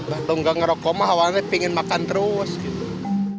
kalau nggak ngerokok mah awalnya pengen makan terus gitu